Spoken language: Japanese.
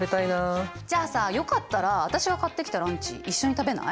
じゃあさよかったら私が買ってきたランチ一緒に食べない？